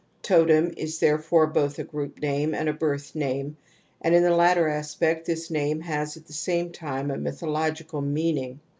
^ Totem ^ is therefore both a group name and a birth name and in the latter aspect this namenasaT'lIie same time a mythological meaning.